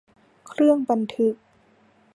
เครื่องบันทึก